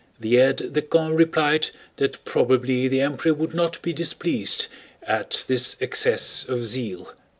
The aide de camp replied that probably the Emperor would not be displeased at this excess of zeal.